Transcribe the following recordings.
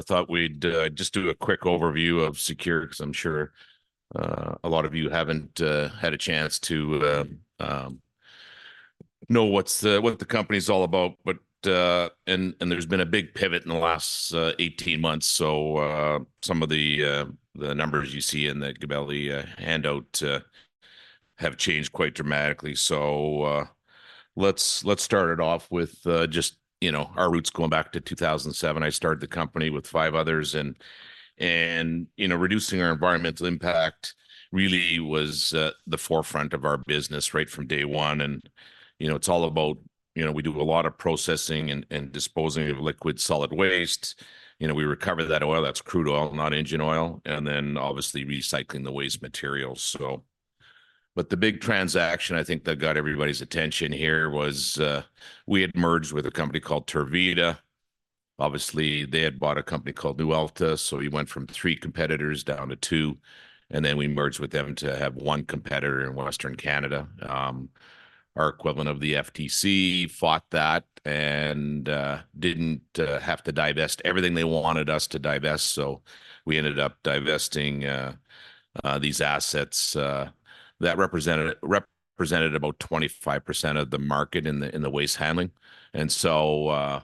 I thought we'd just do a quick overview of SECURE because I'm sure a lot of you haven't had a chance to know what the company's all about. But there's been a big pivot in the last 18 months, so some of the numbers you see in the Gabelli handout have changed quite dramatically. So let's start it off with just you know, our roots going back to 2007. I started the company with five others, and you know, reducing our environmental impact really was the forefront of our business right from day one. And you know, it's all about you know, we do a lot of processing and disposing of liquid solid waste. You know, we recover that oil. That's crude oil, not engine oil, and then obviously recycling the waste materials. So. But the big transaction I think that got everybody's attention here was, we had merged with a company called Tervita. Obviously, they had bought a company called Newalta, so we went from three competitors down to two. And then we merged with them to have one competitor in Western Canada. Our equivalent of the FTC fought that and didn't have to divest everything they wanted us to divest. So we ended up divesting these assets that represented about 25% of the market in the waste handling. And so,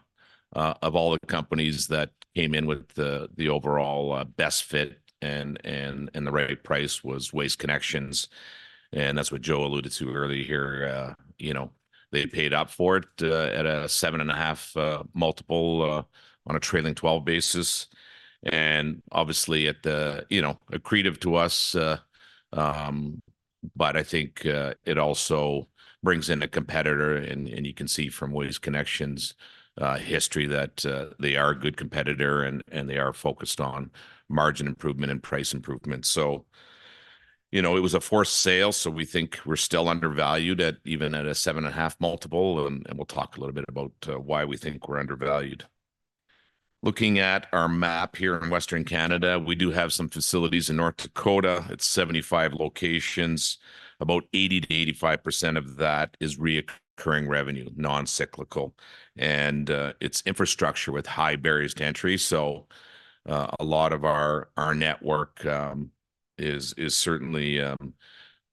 of all the companies that came in with the overall best fit and the right price was Waste Connections. And that's what Joe alluded to earlier here. You know, they paid up for it at a 7.5x multiple on a trailing 12 basis. And obviously at the, you know, accretive to us. But I think it also brings in a competitor, and you can see from Waste Connections history that they are a good competitor, and they are focused on margin improvement and price improvement. So. You know, it was a forced sale, so we think we're still undervalued at even at a 7.5 multiple, and we'll talk a little bit about why we think we're undervalued. Looking at our map here in Western Canada, we do have some facilities in North Dakota. It's 75 locations. About 80%-85% of that is recurring revenue, non-cyclical. And it's infrastructure with high barriers to entry. So. A lot of our network is certainly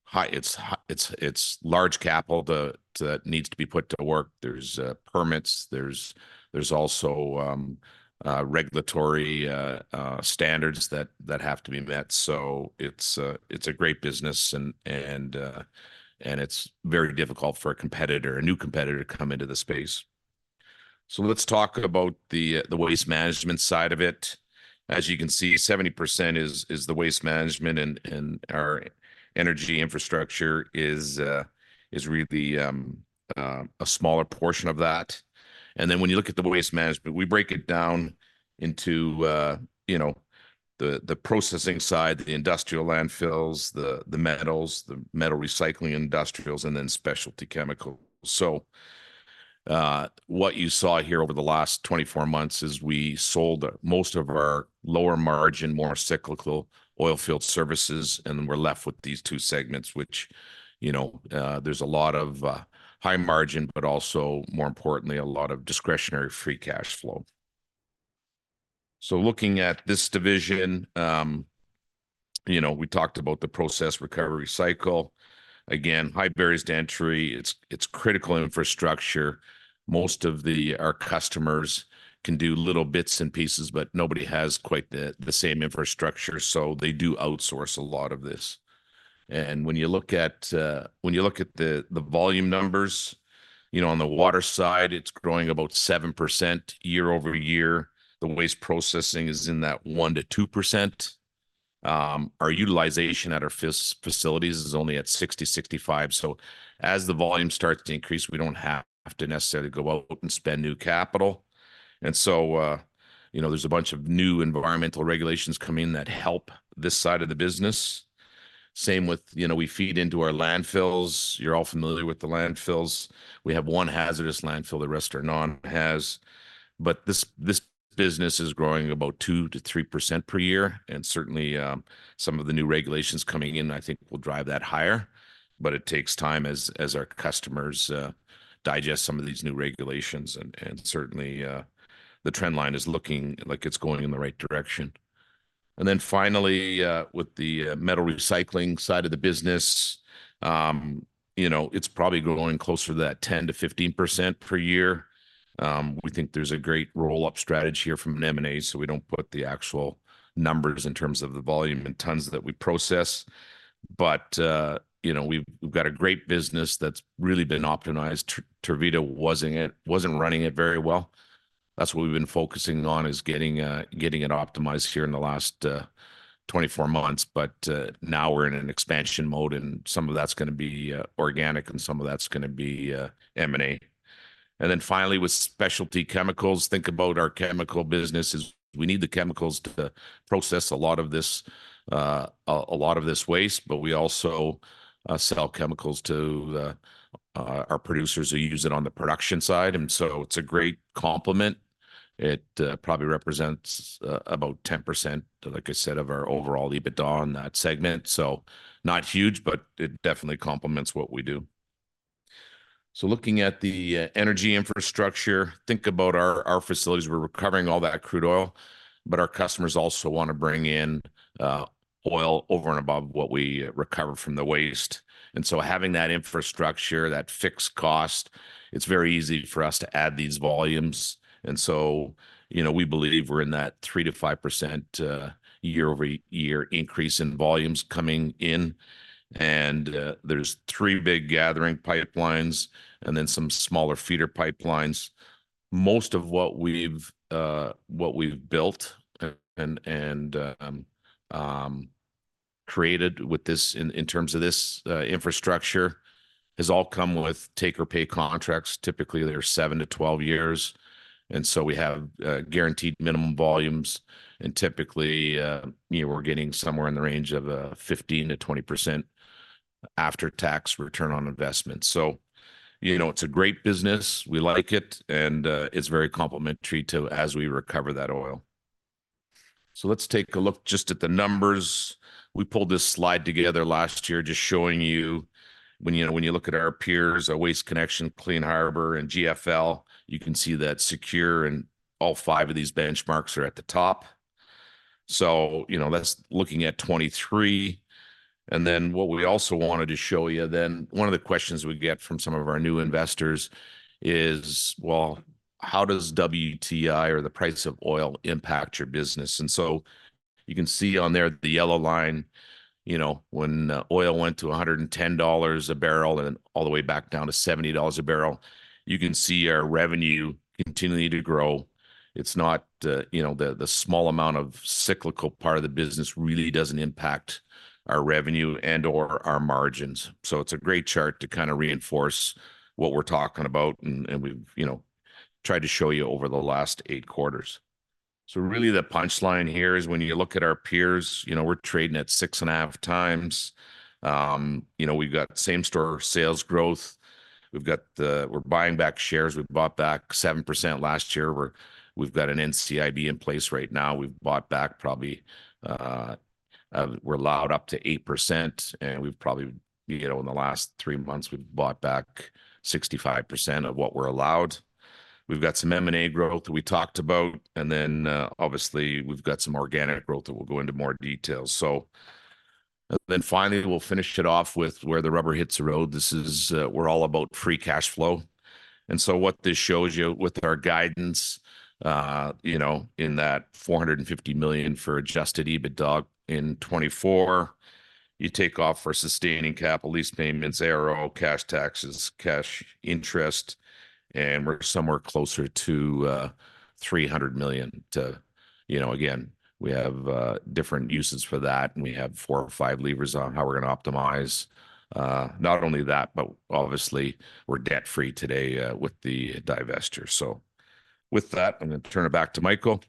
high. It's large capital that needs to be put to work. There's permits. There's also regulatory standards that have to be met. So it's a great business, and it's very difficult for a competitor, a new competitor, to come into the space. So let's talk about the waste management side of it. As you can see, 70% is the waste management, and our energy infrastructure is really a smaller portion of that. And then, when you look at the waste management, we break it down into, you know, the processing side, the industrial landfills, the metals, the metal recycling industrials, and then specialty chemicals. So what you saw here over the last 24 months is we sold most of our lower margin, more cyclical oilfield services, and then we're left with these two segments, which, you know, there's a lot of high margin, but also, more importantly, a lot of discretionary free cash flow. So looking at this division, you know, we talked about the processing recovery cycle. Again, high barriers to entry. It's critical infrastructure. Most of our customers can do little bits and pieces, but nobody has quite the same infrastructure, so they do outsource a lot of this. And when you look at the volume numbers, you know, on the water side, it's growing about 7% year-over-year. The waste processing is in that 1%-2%. Our utilization at our fixed facilities is only at 60%-65%. So as the volume starts to increase, we don't have to necessarily go out and spend new capital. And so, you know, there's a bunch of new environmental regulations coming in that help this side of the business. Same with, you know, we feed into our landfills. You're all familiar with the landfills. We have one hazardous landfill. The rest are non-haz. But this business is growing about 2%-3% per year, and certainly, some of the new regulations coming in, I think, will drive that higher. But it takes time as our customers digest some of these new regulations, and certainly, the trend line is looking like it's going in the right direction. And then, finally, with the metal recycling side of the business, you know, it's probably growing closer to that 10%-15% per year. We think there's a great roll-up strategy here from an M&A, so we don't put the actual numbers in terms of the volume and tons that we process. But, you know, we've got a great business that's really been optimized. Tervita wasn't. It wasn't running it very well. That's what we've been focusing on, is getting it optimized here in the last 24 months. But now we're in an expansion mode, and some of that's gonna be organic, and some of that's gonna be M&A. And then, finally, with specialty chemicals, think about our chemical businesses. We need the chemicals to process a lot of this waste, but we also sell chemicals to our producers who use it on the production side. And so it's a great complement. It probably represents about 10%, like I said, of our overall EBITDA on that segment. So not huge, but it definitely complements what we do. So looking at the energy infrastructure, think about our facilities. We're recovering all that crude oil. But our customers also want to bring in oil over and above what we recover from the waste. Having that infrastructure, that fixed cost. It's very easy for us to add these volumes. And so. You know, we believe we're in that 3%-5% year-over-year increase in volumes coming in. And there's three big gathering pipelines, and then some smaller feeder pipelines. Most of what we've built and created with this in terms of this infrastructure has all come with take-or-pay contracts. Typically, they're 7-12 years. And so we have guaranteed minimum volumes. And typically, you know, we're getting somewhere in the range of a 15%-20% after-tax return on investment. So. You know, it's a great business. We like it, and it's very complementary to as we recover that oil. So let's take a look just at the numbers. We pulled this slide together last year, just showing you. When, you know, when you look at our peers, Waste Connections, Clean Harbors, and GFL, you can see that SECURE, and all five of these benchmarks are at the top. So, you know, that's looking at 2023. And then what we also wanted to show you then, one of the questions we get from some of our new investors is, well, how does WTI, or the price of oil, impact your business? And so you can see on there the yellow line. You know, when oil went to $110 a barrel, and all the way back down to $70 a barrel. You can see our revenue continuing to grow. It's not, you know, the small amount of cyclical part of the business really doesn't impact our revenue and or our margins. So it's a great chart to kind of reinforce. What we're talking about, and we've, you know, tried to show you over the last 8 quarters. So really, the punchline here is, when you look at our peers, you know, we're trading at 6.5x. You know, we've got same store sales growth. We've got, we're buying back shares. We bought back 7% last year. We have an NCIB in place right now. We've bought back probably. We're allowed up to 8%, and we've probably. You know, in the last three months, we've bought back 65% of what we're allowed. We've got some M&A growth that we talked about, and then, obviously, we've got some organic growth that we'll go into more detail. So. And then, finally, we'll finish it off with where the rubber hits the road. This is, we're all about free cash flow. So what this shows you with our guidance, you know, in that 450 million for adjusted EBITDA in 2024. You take off for sustaining capital, lease payments, our cash taxes, cash interest. And we're somewhere closer to 300 million too. You know, again, we have different uses for that, and we have four or five levers on how we're gonna optimize, not only that, but obviously we're debt free today with the divestiture. So with that, I'm gonna turn it back to Michael.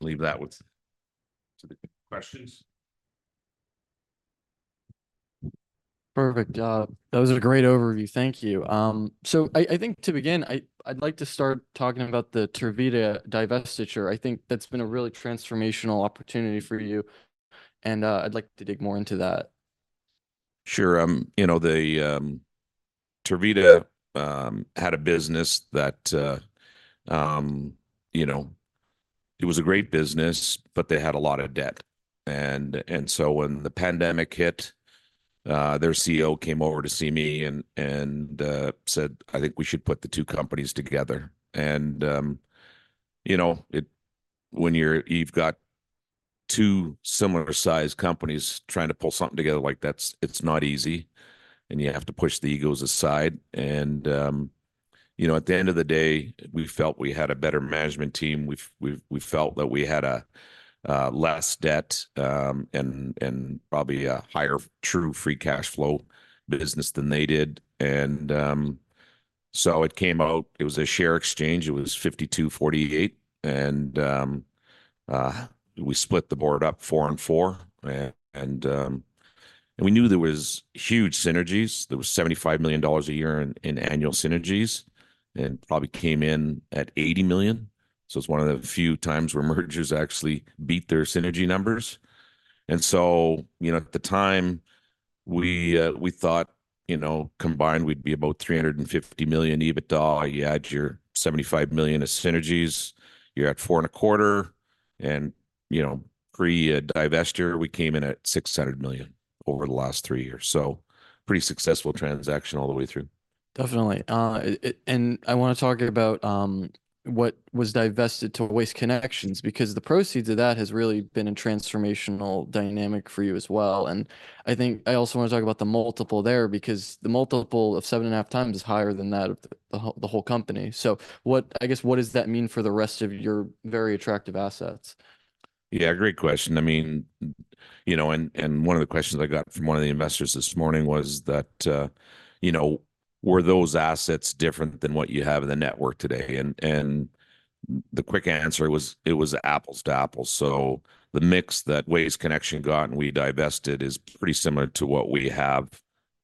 Leave that with you to the questions. Perfect. That was a great overview. Thank you. So I think, to begin, I'd like to start talking about the Tervita divestiture. I think that's been a really transformational opportunity for you. And, I'd like to dig more into that. Sure. You know, the Tervita had a business that, you know. It was a great business, but they had a lot of debt. So, when the pandemic hit, their CEO came over to see me and said, I think we should put the two companies together. You know, it. When you've got two similar size companies trying to pull something together like that's. It's not easy. And you have to push the egos aside. You know, at the end of the day, we felt we had a better management team. We felt that we had less debt and probably a higher true free cash flow business than they did. So it came out. It was a share exchange. It was 52-48, and we split the board up four-four. We knew there was huge synergies. There was 75 million dollars a year in annual synergies. And probably came in at 80 million. So it's one of the few times where mergers actually beat their synergy numbers. And so, you know, at the time. We thought. You know, combined, we'd be about 350 million EBITDA. You add your 75 million of synergies. You're at 425 million. And. You know, pre-divestiture, we came in at 600 million. Over the last three years, so. Pretty successful transaction all the way through. Definitely. And I wanna talk about what was divested to Waste Connections, because the proceeds of that has really been a transformational dynamic for you as well. And I think I also wanna talk about the multiple there, because the multiple of 7.5x is higher than that of the whole company. So what I guess, what does that mean for the rest of your very attractive assets? Yeah, great question. I mean, you know, one of the questions I got from one of the investors this morning was that, you know, were those assets different than what you have in the network today? And the quick answer was it was apples to apples. So the mix that Waste Connections got, and we divested is pretty similar to what we have.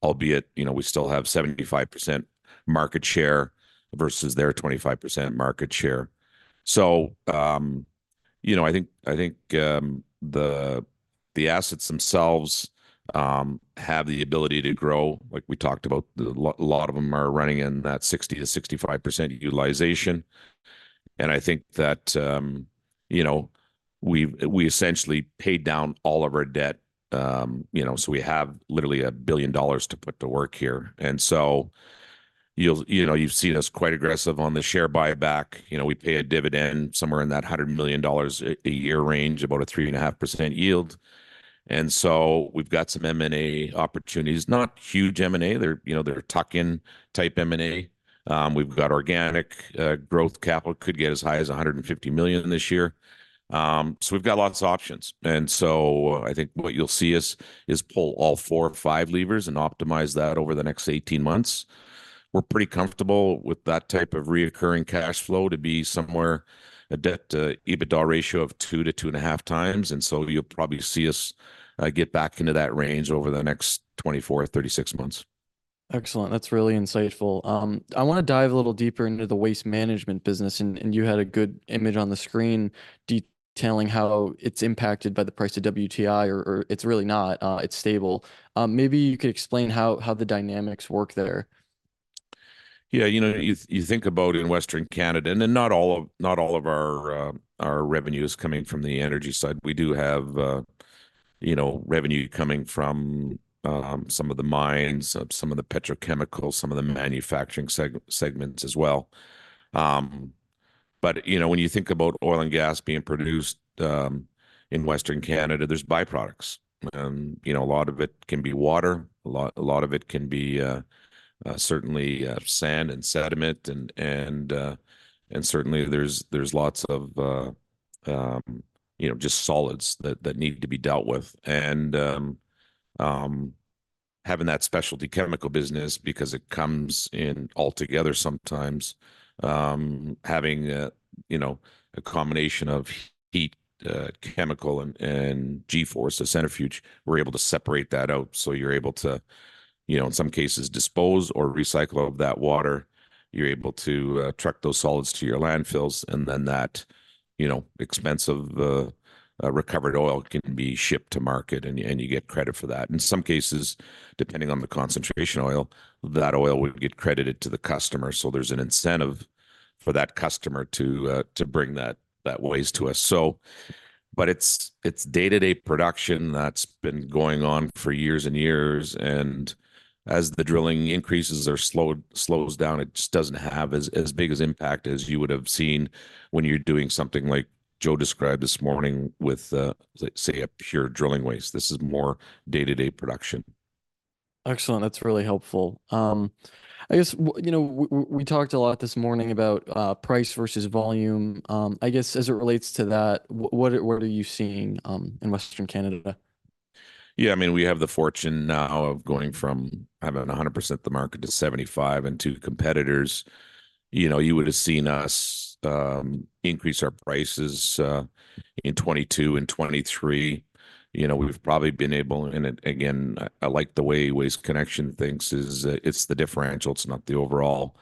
Albeit, you know, we still have 75% market share versus their 25% market share. So, you know, I think the assets themselves have the ability to grow like we talked about. A lot of them are running in that 60%-65% utilization. And I think that, you know, we've essentially paid down all of our debt, you know, so we have literally 1 billion dollars to put to work here. And so. You'll, you know, you've seen us quite aggressive on the share buyback. You know, we pay a dividend somewhere in that 100 million dollars a year range, about a 3.5% yield. And so we've got some M&A opportunities, not huge M&A. They're, you know, they're tuck-in type M&A. We've got organic growth capital could get as high as 150 million this year. So we've got lots of options. And so I think what you'll see is pull all four or five levers and optimize that over the next 18 months. We're pretty comfortable with that type of recurring cash flow to be somewhere a debt to EBITDA ratio of 2-2.5 times. And so you'll probably see us get back into that range over the next 24-36 months. Excellent. That's really insightful. I wanna dive a little deeper into the waste management business, and you had a good image on the screen, detailing how it's impacted by the price of WTI, or it's really not. It's stable. Maybe you could explain how the dynamics work there. Yeah, you know, you think about in Western Canada, and then not all of our revenue is coming from the energy side. We do have, you know, revenue coming from some of the mines, some of the petrochemicals, some of the manufacturing segments as well. But you know, when you think about oil and gas being produced in Western Canada, there's byproducts. And you know, a lot of it can be water. A lot of it can be certainly sand and sediment, and certainly there's lots of, you know, just solids that need to be dealt with. And having that specialty chemical business, because it comes in altogether sometimes, having, you know, a combination of heat, chemical, and G-force, a centrifuge. We're able to separate that out. So you're able to. You know, in some cases, dispose or recycle of that water. You're able to truck those solids to your landfills, and then that. You know, expensive, recovered oil can be shipped to market, and you get credit for that in some cases. Depending on the concentration oil, that oil would get credited to the customer. So there's an incentive for that customer to bring that waste to us. So. But it's day to day production that's been going on for years and years, and. As the drilling increases are slowed slows down, it just doesn't have as big an impact as you would have seen. When you're doing something like Joe described this morning with, say, a pure drilling waste. This is more day to day production. Excellent. That's really helpful. I guess, you know, we talked a lot this morning about price versus volume. I guess, as it relates to that, what are you seeing in Western Canada? Yeah, I mean, we have the fortune now of going from having 100% the market to 75% and two competitors. You know, you would have seen us increase our prices in 2022 and 2023. You know, we've probably been able, and again, I like the way Waste Connections thinks is it's the differential. It's not the overall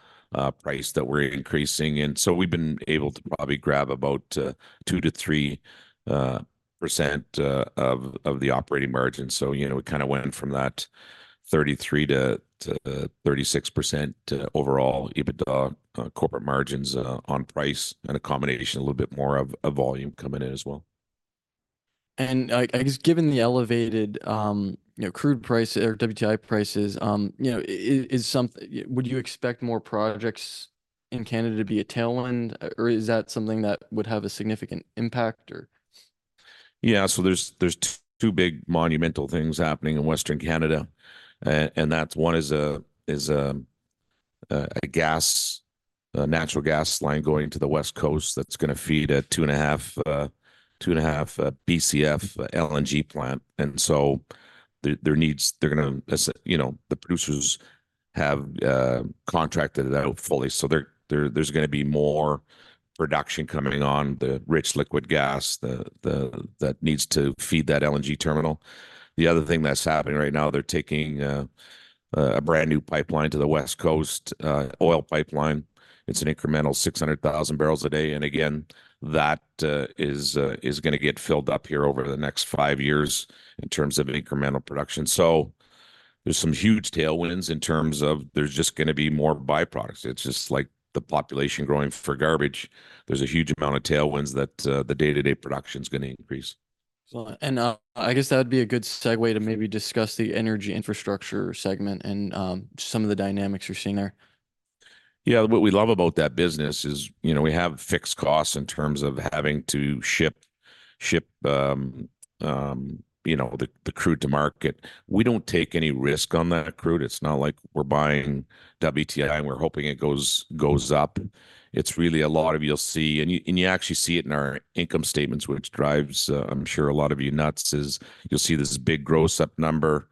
price that we're increasing, and so we've been able to probably grab about 2%-3% of the operating margin. So, you know, we kind of went from that 33%-36% to overall EBITDA corporate margins on price, and a combination a little bit more of volume coming in as well. I guess, given the elevated, you know, crude price or WTI prices, you know, is something would you expect more projects in Canada to be a tailwind, or is that something that would have a significant impact, or? Yeah. So there's two big monumental things happening in Western Canada. And that's one is a natural gas line going to the West Coast that's gonna feed a 2.5 Bcf LNG plant, and so. There needs they're gonna, you know, the producers have contracted it out fully. So there's gonna be more production coming on the rich liquid gas that needs to feed that LNG terminal. The other thing that's happening right now, they're taking a brand new pipeline to the West Coast, oil pipeline. It's an incremental 600,000 barrels a day, and again that is gonna get filled up here over the next five years in terms of incremental production. So there's some huge tailwinds in terms of there's just gonna be more byproducts. It's just like the population growing for garbage. There's a huge amount of tailwinds that, the day to day production's gonna increase. Excellent. I guess that'd be a good segue to maybe discuss the energy infrastructure segment and some of the dynamics you're seeing there. Yeah. What we love about that business is, you know, we have fixed costs in terms of having to ship, you know, the crude to market. We don't take any risk on that crude. It's not like we're buying WTI, and we're hoping it goes up. It's really a lot of—you'll see, and you actually see it in our income statements, which drives, I'm sure a lot of you nuts, is you'll see this big growth up number.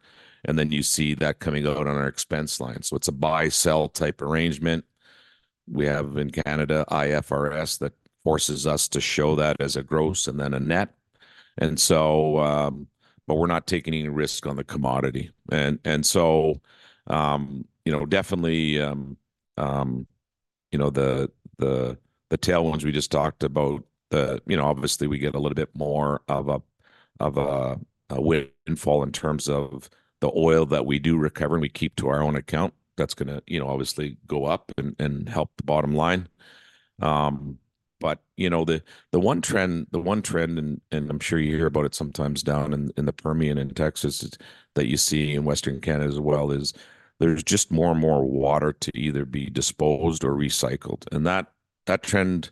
And then you see that coming out on our expense line. So it's a buy sell type arrangement. We have in Canada IFRS that forces us to show that as a growth, and then a net. And so, but we're not taking any risk on the commodity, and so. You know, definitely. You know, the tailwinds we just talked about, you know, obviously we get a little bit more of a windfall in terms of the oil that we do recover. And we keep to our own account. That's gonna, you know, obviously go up and help the bottom line. But you know, the one trend, and I'm sure you hear about it sometimes down in the Permian in Texas, is that you see in Western Canada as well is there's just more and more water to either be disposed or recycled, and that trend.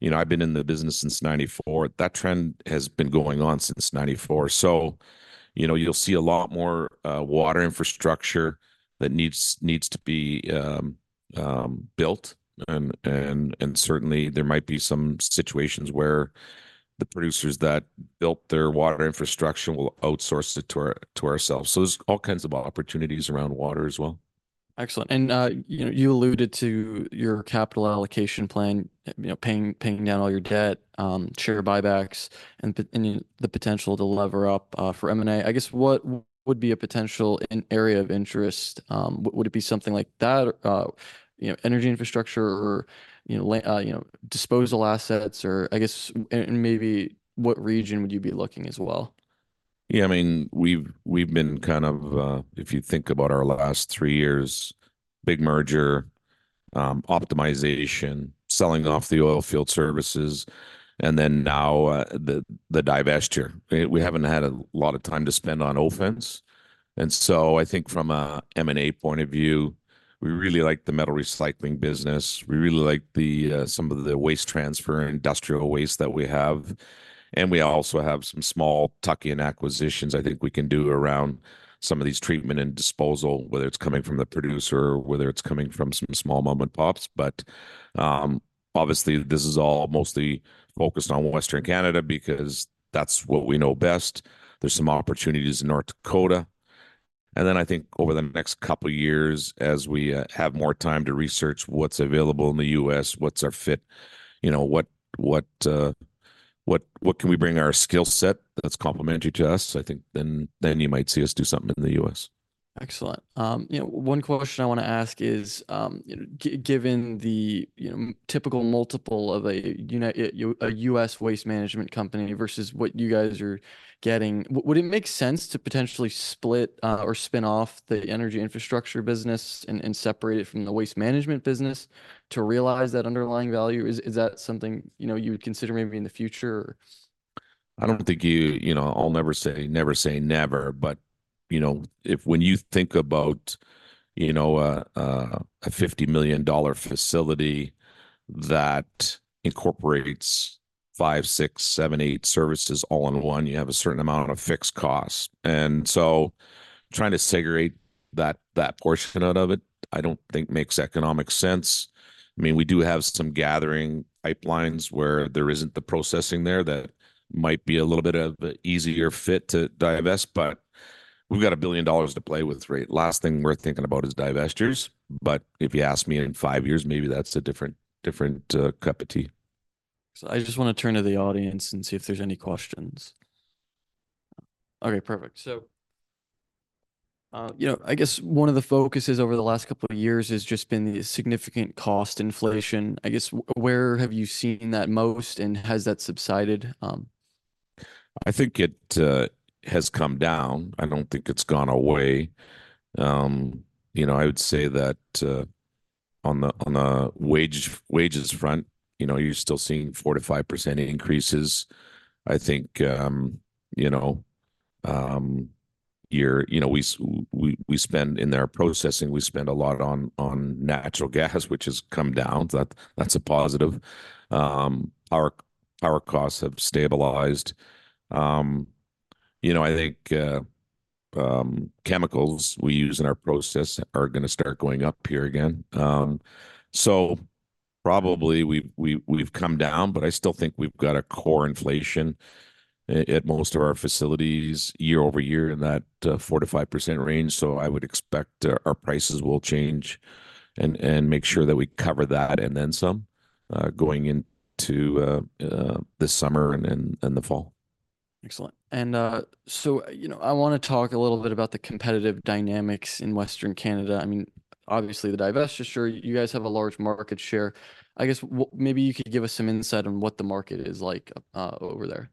You know, I've been in the business since 1994. That trend has been going on since 1994. So, you know, you'll see a lot more water infrastructure. That needs to be built, and certainly there might be some situations where the producers that built their water infrastructure will outsource it to ourselves. So there's all kinds of opportunities around water as well. Excellent. And, you know, you alluded to your capital allocation plan, you know, paying down all your debt, share buybacks, and the potential to lever up for M&A. I guess what would be a potential area of interest? Would it be something like that, you know, energy infrastructure, or you know, disposal assets, or I guess, and maybe what region would you be looking as well? Yeah, I mean, we've been kind of, if you think about our last three years. Big merger. Optimization, selling off the oilfield services. And then now, the divestiture. We haven't had a lot of time to spend on offense. And so I think from an M&A point of view. We really like the metal recycling business. We really like the, some of the waste transfer industrial waste that we have. And we also have some small tuck-in acquisitions I think we can do around. Some of these treatment and disposal, whether it's coming from the producer, or whether it's coming from some small mom-and-pops. But obviously, this is all mostly focused on Western Canada, because that's what we know best. There's some opportunities in North Dakota. Then I think over the next couple of years, as we have more time to research what's available in the U.S. What's our fit? You know what can we bring our skill set that's complementary to us? I think then you might see us do something in the U.S. Excellent. You know, one question I wanna ask is, you know, given the, you know, typical multiple of a unit, a U.S. waste management company versus what you guys are getting. Would it make sense to potentially split, or spin off the energy infrastructure business and separate it from the waste management business? To realize that underlying value, is that something, you know, you would consider maybe in the future, or. I don't think you, you know, I'll never say never say never, but. You know, if, when you think about. You know, a CAD 50 million facility. That incorporates five, six, seven, eight services all in one. You have a certain amount of fixed costs, and so. Trying to segregate that, that portion out of it. I don't think makes economic sense. I mean, we do have some gathering pipelines where there isn't the processing there that. Might be a little bit of an easier fit to divest, but. We've got 1 billion dollars to play with, right? Last thing we're thinking about is divestitures. But if you ask me in five years, maybe that's a different. Different, cup of tea. So I just wanna turn to the audience and see if there's any questions. Okay, perfect. You know, I guess one of the focuses over the last couple of years has just been the significant cost inflation. I guess where have you seen that most, and has that subsided? I think it has come down. I don't think it's gone away. You know, I would say that on the wages front, you know, you're still seeing 4%-5% increases. I think, you know. You're, you know, we spend in their processing. We spend a lot on natural gas, which has come down. That's a positive. Our costs have stabilized. You know, I think chemicals we use in our process are gonna start going up here again. So probably we've come down, but I still think we've got a core inflation at most of our facilities year-over-year in that 4%-5% range. So I would expect our prices will change and make sure that we cover that, and then some going into this summer and the fall. Excellent. You know, I wanna talk a little bit about the competitive dynamics in Western Canada. I mean. Obviously, the divestiture. Sure. You guys have a large market share. I guess maybe you could give us some insight on what the market is like, over there.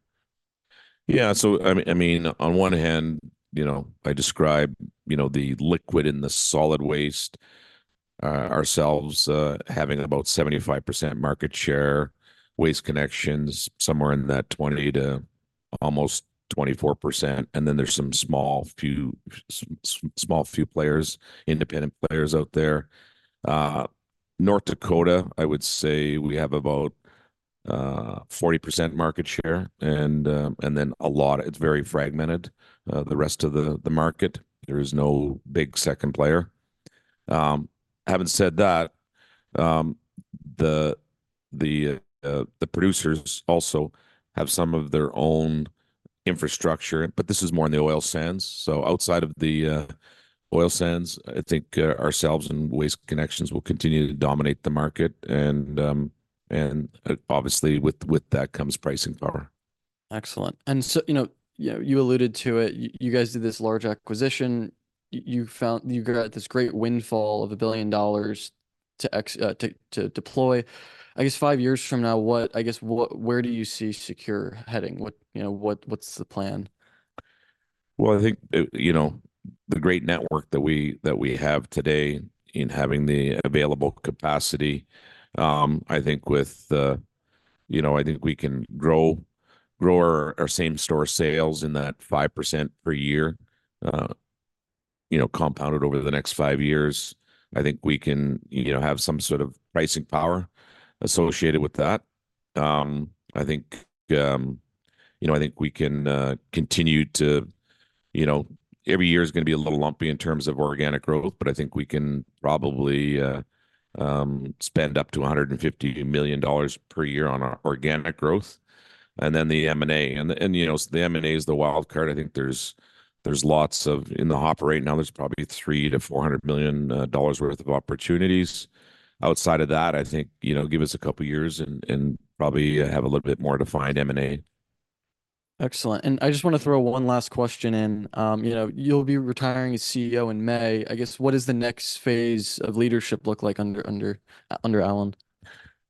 Yeah. So I mean, on one hand, you know, I describe, you know, the liquid in the solid waste ourselves having about 75% market share. Waste Connections somewhere in that 20%-24%, and then there's some small few independent players out there. North Dakota, I would say we have about 40% market share, and then a lot of it's very fragmented the rest of the market. There is no big second player. Having said that, the producers also have some of their own infrastructure, but this is more in the oil sands. So outside of the oil sands, I think ourselves and Waste Connections will continue to dominate the market, and obviously with that comes pricing power. Excellent. So, you know, you alluded to it. You guys did this large acquisition. You found you got this great windfall of 1 billion dollars. To excess, to deploy. I guess five years from now, what I guess, what, where do you see SECURE heading? What, you know, what, what's the plan? Well, I think, you know, the great network that we have today in having the available capacity. I think, you know, I think we can grow our same store sales in that 5% per year, you know, compounded over the next five years. I think we can, you know, have some sort of pricing power associated with that. I think, you know, I think we can continue to, you know, every year is gonna be a little lumpy in terms of organic growth, but I think we can probably spend up to 150 million dollars per year on our organic growth. And then the M&A, and you know, the M&A is the wild card. I think there's lots in the hopper right now. There's probably 300 million-400 million dollars worth of opportunities. Outside of that, I think, you know, give us a couple of years and probably have a little bit more defined M&A. Excellent. I just wanna throw one last question in. You know, you'll be retiring as CEO in May. I guess what is the next phase of leadership look like under Allen?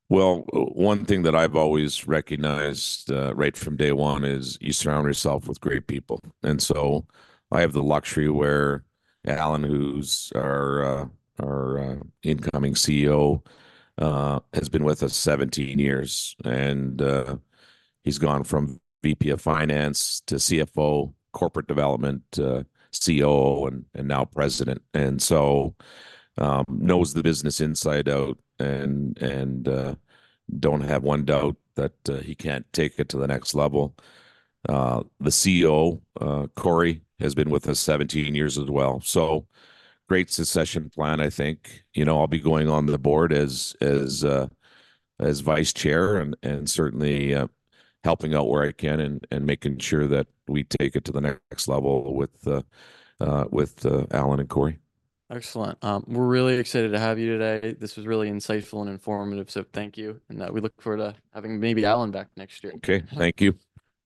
Well, one thing that I've always recognized, right from day one, is you surround yourself with great people, and so. I have the luxury where Allen, who's our incoming CEO, has been with us 17 years, and he's gone from VP of finance to CFO, corporate development, COO, and now president, and so knows the business inside out, and I don't have one doubt that he can take it to the next level as the CEO. Corey has been with us 17 years as well. So, great succession plan, I think, you know, I'll be going on the board as vice chair, and certainly helping out where I can, and making sure that we take it to the next level with Allen and Corey. Excellent. We're really excited to have you today. This was really insightful and informative. So thank you, and that we look forward to having maybe Allen back next year. Okay. Thank you.